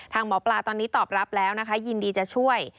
หมอปลาตอนนี้ตอบรับแล้วนะคะยินดีจะช่วย